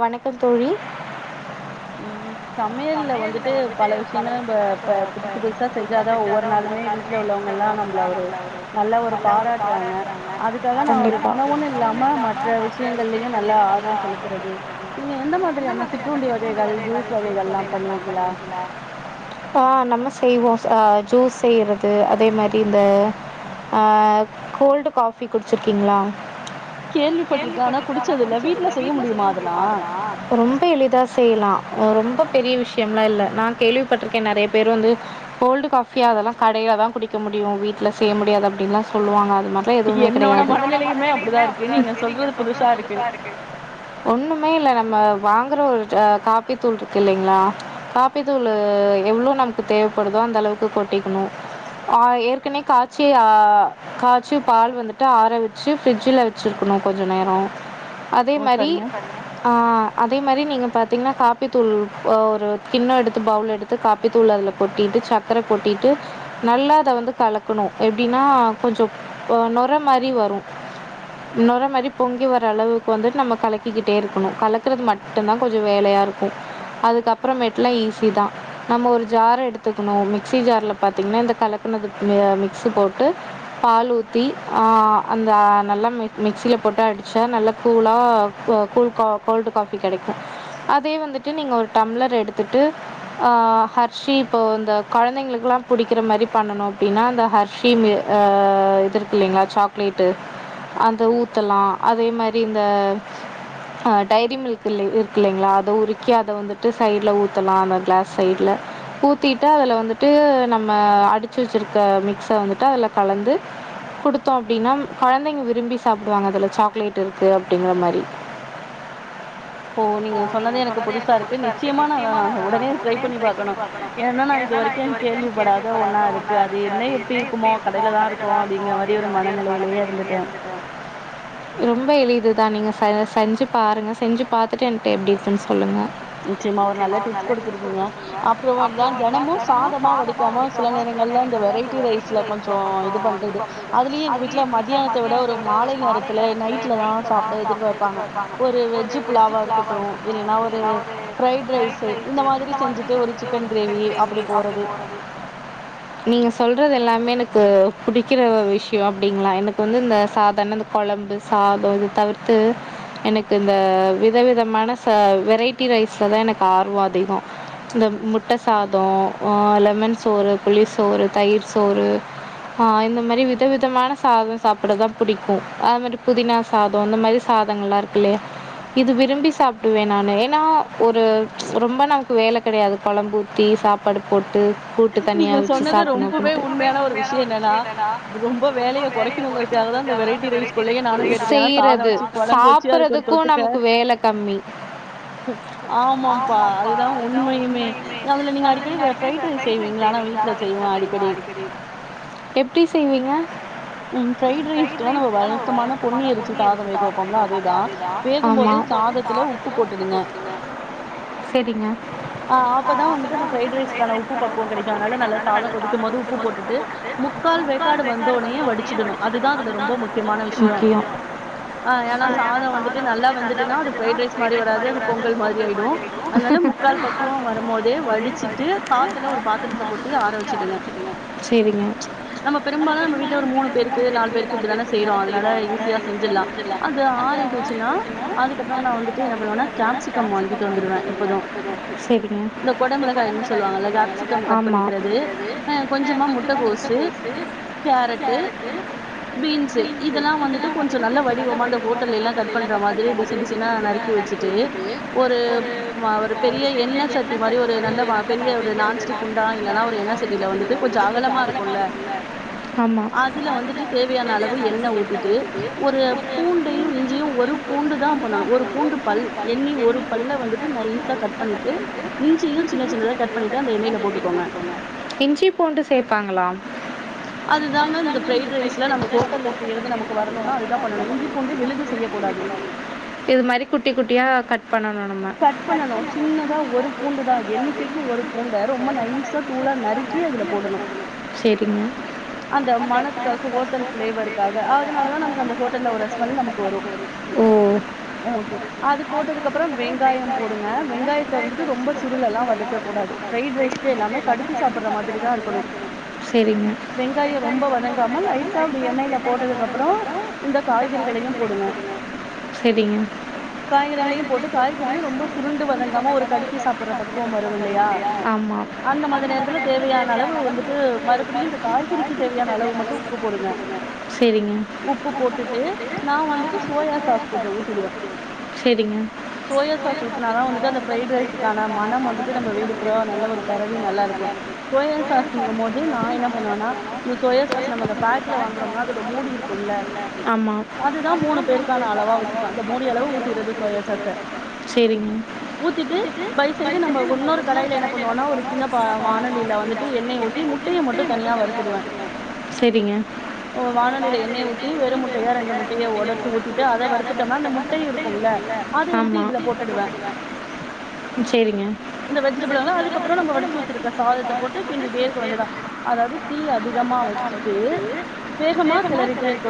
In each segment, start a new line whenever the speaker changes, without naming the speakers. வணக்கம் தோழி
ம் சமையல்ல வந்துட்டு பல விஷயங்கள இ இப்ப புதுசு புதுசா செஞ்சாதான் ஒவ்வொரு நாளுமே வீட்ல உள்ளவங்கல்லா நம்மள ஒரு நல்லா ஒரு பாராட்டுறாங்க அதுக்காக நா ஒரு உணவு இல்லாம மற்ற விஷயங்கள்லயு நல்லா ஆர்வம் செலுத் கிறது நீங்க எந்த மாதிரியான சிற்றுண்டி வச்
ஆ நம்ம செய்வோம் ஜூஸ் செய்றது அதே மாரி இந்த கோல்டு காபி குடிச்சுருக்கீங்களா
கேள்விப்பட்டிருக்கேன் ஆனா குடிச்சது இல்ல வீட்ல செய்ய
ரொம்ப எளிதா செய்யலாம் ரொம்ப பெரிய விஷ்யம்லாம் இல்ல நான் கேள்விப்பட்ருக்கேன் நெறைய பேரு வந்து கோல்டு காஃபியா அதல்லாம் கடையில தான் குடிக்க முடியு வீட்ல செய்ய முடியாது அப்டிலாம் சொல்லுவாங்க அது மாரிலாம் எதுமே கெடையாது ஒன்னுமே இல்ல நம்ப வாங்குற ஒரு காப்பி தூள் இருக்கு இல்லைங்களா காப்பி தூள் எவ்ளோ நமக்கு தேவப்படுதோ அந்த அளவுக்கு கொட்டிக்கனும் ஆ ஏற்கனவே காய்ச்சி காய்ச்சி பால் வந்துட்டு ஆர வச்சு ஃப்ரிட்ஜ்ல வச்சிருக்கனும் கொஞ்சம் நேரம் அதே மாரி ஆ அதே மாரி நீங்க பாத்தீங்கனா காப்பித்தூள் ஒரு கிண்ணம் எடுத்து பவுல் எடுத்து காப்பித்தூள் அதுல கொட்டிட்டு சக்கர கொட்டிட்டு நல்லா அத வந்து கலக்கனும் எப்டின்னா கொஞ்சம் நொர மாரி வரும் நொற மாரி பொங்கி வர அளவுக்கு வந்துட்டு நம்ம கலக்கிக்கிட்டே இருக்கனும் கலக்கரது மட்டும்தான் கொஞ்சம் வேலையா இருக்கும் அதுக்கப்பறம் மேட்டுலாம் ஈஸி தான் நம்ம ஒரு ஜாரை எடுத்துக்கனும் மிக்ஸி ஜார்ல பாத்திங்கன்னா இந்த கலக்கனது மிக்ஸி போட்டு பால் ஊத்தி அந்த நல்லா மிக்சில போட்டு அடிச்சா நல்லா கூலா கூல் கா கோல்டு காஃபி கெடைக்கும் அதே வந்துட்டு நீங்க ஒரு டம்ளர் எடுத்துட்டு ஹர்ஷி இப்போ இந்த கொழந்தைங்களுக்குலா புடிக்கற மாரி பண்ணணும் அப்டின்னா அந்த ஹர்ஷி இது இருக்கு இல்லைங்களா சாக்லேட்டு அந்த ஊத்தலாம் அதே மாரி இந்த ஆ டைரி மில்க் இல் இருக்கு இல்லைங்களா அத உருக்கி அத வந்துட்டு சைட்ல ஊத்தலாம் அந்த கிளாஸ் சைடு்ல ஊத்திட்டு அதுல வந்துட்டு நம்ம அடிச்சு வச்சிருக்க மிக்ஸை வந்துட்டு அதுல கலந்து குடுத்தோம் அப்டின்னா கொழந்தைங்க விரும்பி சாப்டுவாங்க அதுல சாக்லேட் இருக்கு அப்டிங்கிற மாரி ஓ நீங்க சொன்னதே எனக்கு புதுசா இருக்கு நிச்சயமா அத உடனே ட்ரை பண்ணி பாக்கணும் ஏனா நா இது வரைக்கு கேள்விப்படாத ஒன்னா இருக்கு அது என்ன எப்படி இருக்குமோ கடையிலதான் இருக்கும் அப்டிங்கிற மாரி ஒரு மனநிலையிலே இருந்ததுட்டேன் ரொம்ப எளிதுதான் நீங்க ச செஞ்சு பாருங்க செஞ்சு பாத்துட்டு என்ட்ட எப்டி இருக்குன்னு சொல்லுங்க
நிச்சயமா ஒரு நல்ல டிப்ஸ் குடுத்திருக்கீங்க அப்புறம் தெனமும் சாதமா வடிக்காம சில நேரங்கள்ல அந்த வெரைட்டி ரைஸ்ல கொஞ்சம் இது பண்றது அதுலயும் எங்க வீட்ல மத்தியானத்த விட ஒரு மாலை நேரத்துல நைட்ல தான் சாப்புட எதிர்பார் ப்பாங்க ஒரு வெஜ்ஜு புலாவா இருக்கட்டும் இல்லன்னா ஒரு
நீங்க சொல்றது எல்லாமே எனக்கு புடிக்கற விஷ்யம் அப்டிங்கலாம் எனக்கு வந்து இந்த சாதான இந்த கொழம்பு சாத இது தவிர் த்து எனக்கு இந்த விதவிதமான வெரைட்டி ரைஸ்ல தான் எனக்கு ஆர்வம் அதிகம் இந்த முட்ட சாதம் லெமன் சோறு புளி சோறு தயிர் சோறு இந்த மாரி விதவிதமான சாதம் சாப்புட தான் புடிக்கும் அது மாரி புதினா சாத அந்த மாரி சாதங்கலாம் இருக்குல்லையே இது விரும்பி சாப்புடுவே நானு ஏனா ஒரு ரொம்ப நமக்கு வேல கெடையாது கொழம்பூத்தி சாப்பாடு போட்டு
நீங்க சொன்னது ரொம்பவே உண்மையான ஒரு விஷ்யம் என்னன்னா ரொம்ப வேலையை கொறைக்கணுங்கறதுக்காக தான் இந்த வெரைட்டி ரைஸ் குள்ளேயே நானும் போய்ருக்கேன் ஏனா சாத
து சாப்புறதுக்கும் நமக்கு வேலை கம்மி ஆமாப்பா அதுதான் உண்மையுமே அதுல நீங்க அடிக்கடி ட்ரை எப்டி செய்வீங்க
ம் ஃப்ரைட் ரைஸ்குல்லாம் நம்ப வழக்கமான பொன்னி அரிசி சாதம்
ஆமா செரிங்க
வடிச்சுடனும் அதுதான் அதுல ரொம்ப முக்கியமான விஷ்யம் ஆ ஏன்னா சாதம் வந்துட்டு நல்லா வந்துட்டுன்னா அது ஃப்ரைட் ரைஸ் மாதிரி வராது அது பொங்கல் மாதிரி ஆயிடும் அதனால முக்கால் பக்குவம் வரும் போதே வடிச்சுட்டு காத்துல ஒரு பாத்திரத்தை கொட்டி ஆர வச்சுடுங்க நம்ம பெரும்பாலும் நம்ம வீட்டுல ஒரு மூணு பேருக்கு நாலு பேருக்கு இப்டித்தானே செய்றோம் அதனால ஈசியா செஞ்சிலாம் அது ஆறிடுச்சுன்னா அதுக்கப்பறம் நான் வந்துட்டு என்ன பண்ணுவேணா கேப்சிக்கம் வாங்கிட்டு வந்துடுவேன் எப்போதும் இந்த கொடமெளகாயின்னு சொல்லுவாங்கல்ல கேப்சிகம் கட் பண்ணிக்கறது அ கொஞ்சமா முட்டைகோசு கேரட்டு பீன்ஸ்சு இதல்லாம் வந்துட்டு கொஞ்சம் நல்லா டிவமா இந்த ஹோட்டலா கட் பண்ற மாதிரி டிசைன் டிசைனா நறுக்கி வச்சுட்டு ஒரு ஒரு பெரிய எண்ண சட்டி மாரி ஒரு நல்ல பெரிய ஒரு நான்ஸ்டிக் குண்டா இல்லனா ஒரு எண்ண சட்டில வந்துட்டு கொஞ்ச அகலமா இருக்குல ஆதே அதுல வந்துட்டு தேவயான அளவு என்ன ஊத்திட்டு ஒரு [unintelligible] பூண்டையு இஞ்சயு ஒரு பூண்டுதா பண்னணு ஒரு பூன்டு பல் என்னி ஒரு பல்ல வந்துட்டு நைஸா கட் பன்னிட்டு இஞ்சயு சின்ன சின்னதா கட் பன்னிட்டு அந்த என்னய்ல போட்டுகோங்க அதுதாங்க ஃபிரைட் ரைஸ்லா நம்ம ஹோட்டல செய்றது நமக்கு வரணுனா அதுதா பண்னணு இஞ்சி பூண்டு விழுத செய்யக்கூடாது கட் பண்னணு சின்னதா ஒரு பூண்டு தா எண்ணிக்கைக்கு ஒரு பூண்ட ரொம்ப நைசா தூளா நறுக்கி அதுல போடணு அந்த மனத்துக் க்கதுக்கு ஹோட்டல் ஃபிளேவர்க்காக அதுனாலதா நமக்கு அந்த ல்ல ஒரு ஸ்மெல் நமக்கு வரு ஓகே அது போட்டதுக்கப்றோ வெங்காயோ போடுங்க வெங்காயத்த வந்துட்டு ரொம்ம சுருளளா வதக்க கூடாது ஃப்ரைட் ரைஸ்க் எல்லாமே கடிச்சு சாப்பிட்ற மாத்ரிதா இருகனு வெங்காயோ ரொம்ப வதங் காமல் லைடா அப்டி எண்ணெயில போட்டதுக்கு அப்புறோ இந்த
சேரிங்க ஆமா
டு உப்பு போடுங்க உப்பு போட்டு வந்துட்டு நா வந்துட்டு சோயா சாஸ் கொஞ்ச ஊத்திடுவே சோயா சாஸ் ஊத்தினா வந்துட்டு அந்த பிரைட் ரைஸக்கான மனம் வந்துட்டு நம்ம வீடு பூறா நல்ல ஒரு பறவி நல்லா இருக்கு சோயா சாஸ்ங்கும் போது நா என்ன பண்ணுவன்னா சா ஸாஸ் நம்ம அந்த பேக்ல வாங்குறோம்னா அதோட மூடி இருக்கும்ல
ஆமா சேரிங்க
பெரு முட்டையா ரெண்டு முட்டைய உடைச்சு ஊத்திட்டு அத வறுத்துட்டோம்னா அந்த முட்டை இருக்கும்ல அதை எடுத்து இதுல போட்டுடுவ இந்த வெஜிடபுள அதுக்கப்றோ நம்ம வடிச்சு வச்சிருக்ர சாதத்த போட்டு கிண்டிட்டே இருக்க வேண்டியதா அதாவது தீ அதிகமா வச்சு வச்சட்டு வேகமா கிளறிட்டே இரு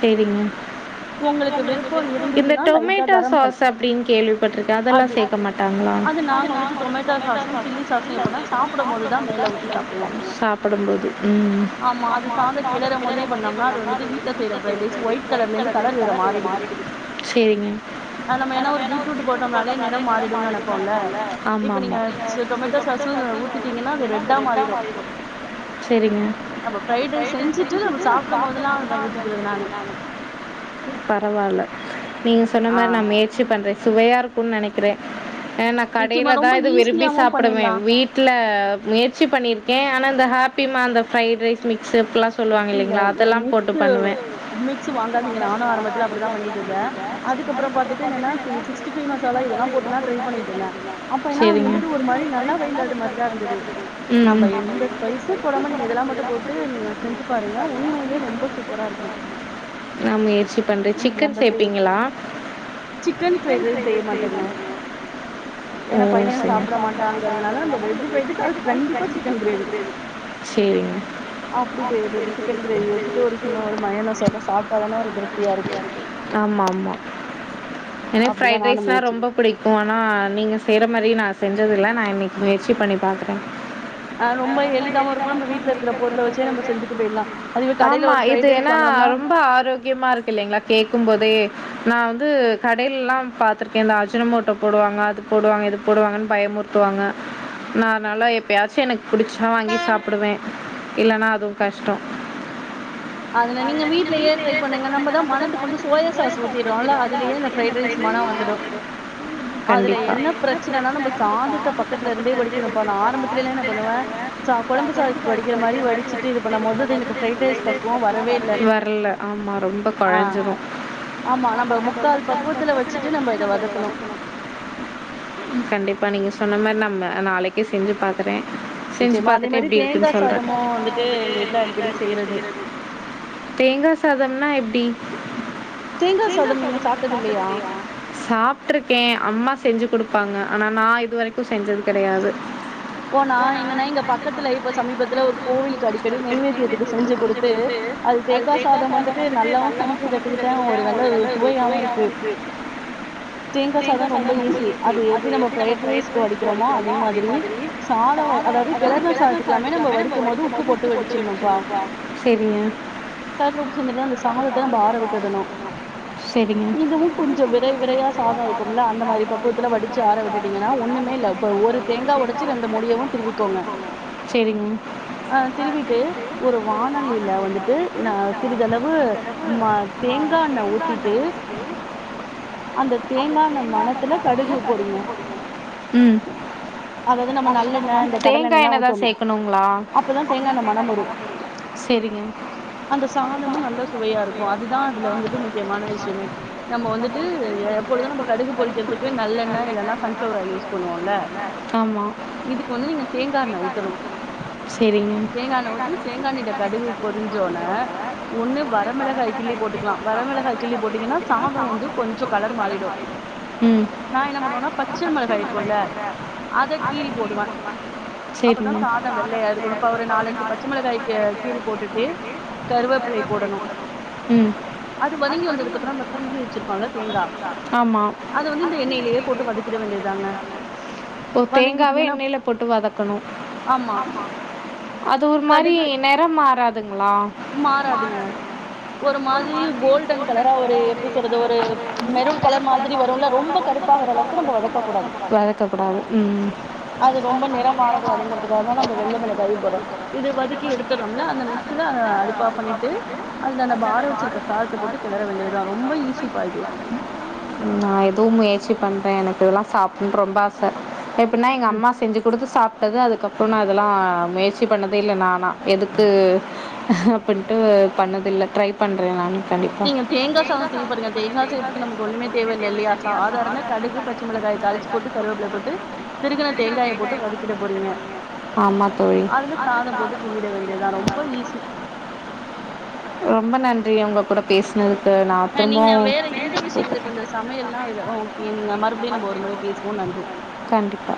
சரிங்க இந்த டொமேட்டோ சாஸ் அப்டினு கேள்விப்பட்டிருக்க அதெல்லா சேர்க மாட்டாங்களா சாப் படம் போது உ சேரிங்க ஆமா மா செரிங்க பரவாயில்ல நீங்க சொன்ன மாரி நா முயற்சி பண்றே சுவையா இருக்குன்னு நனைக்கிறே ஆ நா கடையில தா இது விரும்பி சாப்பிடுவே வீட்ல முயற்சி பண்ணிருக்கே ஆனா இந்த ஹாப் டிமா அந்த ஃபிரைட் ரைஸ் மிக்ஸ் அப்லா
நீங்க மிக்ஸ் வாங்காதீங்க நானு ஆரம்பத்துல அப்டிதா பண்ணிட்டு இருந்தேன் அதுக்கப்ற பாத்துட்டு என்னன்னா சிக்ஸ்டி பைய் மசாலா இதெல்லா போட்டுதா ட்ரை பண்ணிட்டு இருந்தேன் அப்ப ஏன்னா அது வந்துட்டு ஒரு மாரி நல்லாவே இல்லாத மாரிதான் இருந்தது நம்ம எந்த ஸ்பைஸும் போடாம நீங்க இதெல்லா மட்டு போட்டு நீங்க
நா முயற்சி பண்றேன் சிக்கன் சேப்பிங்ளா ஓ சேரி சேரி ஆமா ஆமா எனக் ஃபிரைட் ரைஸ்லாம் ரொம்ப புடிக்கும் ஆனா நீங்க செய்யற மாரி நா செஞ்சதுலா நா இன்னிக்கு முயற்சி பண்ணி பாக்குறேன்
ஆ ரொம்ப எளிதாவு இருக்கு நம்ப வீட்ல இருக்ற பொருள வச்சு
ஆமா இது ஏனா ரொம்ப ஆரோக்கியமா இருக்கு இல்லங்ளா கேக்கும் போதே நா வந்து கடேலலாம் பாத்துருக்கேன் இந்த அஜினமோட்டோ போடுவாங்க அது போடுவாங்க இது போடுவாங்கன்னு பயமுருத்துவாங்க நா அதுனால எப்பயாச்சும் எனக்கு புடிச்சா வாங்கி சாப்புடுவேன் இல்லன்னா அதுவு கஷ்டோம்
அதுல நீங்க வீட்லயே ட்ரை பண்ணுங்க நம்மதான் மனத்துக்கு வந்து சோயா சாஸ் ஊத்திடோன்ல அதுலயே அந்த ஃபிரைட் ரைஸ் மனம் வந்துடும் அதுல என்ன பிரச்சனனா நம்ம சாதத்தை பக்கத்துல இருந்தே வடிக்கனுப்பா நா ஆரம்பத்துலாம் என்ன பண்ணுவேன் சா கொழம்பு சாதத்துக்கு வடிக்கிற மாரி வடிச்சுட்டு இப்ப நம்ப வந்தது எனக்கு ஃபிரைட் ரைஸ்
வரல ஆமா ரொம்ப குழஞ்சிடும் கண்டிப்பா நீங்க சொன்ன மாரி நம்ம நாளைக்கே செஞ்சு பாக்குறேன்
நிச்சயமா அதே மாரி தேங்கா சாதமு வந்துட்டு
அது எங்க வீட்ல அடிக்கடி செய்ரது தேங்கா சாதம்னா எப்டி தேங்கா சாதம் நீங்க சாப்டதில்லயா சாப்டுருக்கே அம்மா செஞ்சுகுடுப்பாங்க ஆனா நா இது வரைக்கு
ஓ நா என்னன்னா இங்க பக்கத்துல இப்ப சமீபத்துல ஒரு கோவில்கு அடிக் அடிக்கடி நெய் வெய்த்தியத்துக்கு செஞ்சு குடுத்து அது தேங்கா சாதம் வந்துட்டு நல்லாவு சமைக்க கத்துக்கிட்ட ஒரு நல்ல ஒரு சுவையாவு இருக்கு தேங்கா சாதம் ரொம்ப ஈசி அது எப்படி நம்ம ஃபிரைட் ரைஸ்க்கு வடிக் கிறோமோ அதே மாதிரி சாத அதாவுது கெளர்ன சாதத்துக்குல்லாமே நம்ம வடிக்கும் போது உப்பு போட்டு வடிச்சுன்ப்பா சாதத்துல உப்பு சேந்துட்டு இந்த சாதத நம்ப ஆற விட்டுடனு இதுவும் கொஞ்சோ விரை விரையா சாதம் இருக்குன்ல அந்த மாரி பக்குவத்துல வடிச்சா ஆற விட்டுடிங்கனா ஒண்ணுமே இல்ல இப்ப ஒரு தேங்கா ஒடைச்சு ரெண்டு முடியவும் திருவிக்கோங்க அ திருவிட்டு ஒரு வானலியில வந்துட்டு நா ஹ சிறிதளவு ம தேங்காண்ண ஊத்திட்டு அந்த தேங்காண்ண மணத்துல கடுகு பொறீங்க
தேங்கா எண்ணெ தான் சேக்கணுங்ளா
தேங்கா எண்ணெ மனம் வரும் அந்த சாதமும் நல்ல சுவையா இருக்கும் அதுதான் அதுல வந்துட்டு முக்கியமான விஷயமே நம்ம வந்துட்டு எப்பொழுது நம்ம கடுகு பொறிக்கறதுக்கு நல்லெண்ண இல்லைன்னா சன்ஃப்ளவர் ஆயில் யூஸ் பண்ணுவோம் ல இதுக்கு வந்து நீங்க தேங்கா எண்ணெ ஊத்தணும் தேங்காயெண்ணே ஊத்தி தேங்காயெண்ணேல கடுகு பொரிஞ்சோடனே ஒண்ணு வரமிளகாய் கிள்ளி போட்டுக்கலா வரமிளகாய் கிள்ளி போட்டீங்கன்னா சாதோந்து கொஞ்சோ கலர் மாறிடு நா என்ன பண்ணுவேனா பச்ச மிளகாய் இருக்கும்ல்ல அத கீறி போடுவே அப்பதா சாதோ வெள்ளையா இருக்கணு இப்ப ஒரு நாலஞ்சு பச்ச மிளகாய அ கீறி போட்டுட்டு கருவேப்பிள்ளைய போடணு அது வதங்கி வந்ததுக்கப்பறோ நம்ம திருவி வச்சிருக்கோல தேங்கா அத வந்து இந்த எண்ணெலயே போட்டு வதக்கிட வேண்டியதுதாங்க
ஓ தேங்காவ எண்ணெல போட்டு வதக்கணு அது ஒரு மாரி நெரமா மாறாது லா வதக்ககூடாது ம்
இது வதுக்கி எடுத்தறோம்ல அந்த மிக் அத அடுப்ப ஆஃப் பண்ணிட்டு அது அந்த பாரம் வச்சிருக்க சாதத்த போட்டு கிளற வேண்டியதுதா ரொம்ப ஈஸி பா இது
இதெல்லா சாப்பிடனு ரொம்ப ஆச எப்டினா எங்க அம்மா செஞ்சு கொடுத்து சாப் விட்டது அதுக்கப்புறம்னா அதெல்லா முயற்சி பண்ணதே இல்ல நானா எதுக்கு அப்டின்ட்டு பண்ணதில்ல ட்ரை பண்
நீங்க தேங்கா சாதோ செய்ய போறீங்க தேங்கா செய்றத்துக்கு நமக்கு ஒண்ணுமே தேவையில்ல இல்லையா சாதாரண கடுகு பச்சை மிளகாய தாளிச்சு போட்டு கருவேப்பில போட்டு திறுகன தேங்காய போட்டு வதக்கிட போறீங்க
ரொம்ப நன்றி உங்க கூட பேசினதுக்கு
நீங்க வேற எந்த விஷயங்க இப்ப இந்த சமையல்ன்னா அதுல ஓகே நீங்க மறுபடியு நம்ப ஒரு ஒரு முறை பேசுவோ நன்றி
கண்டிப்பா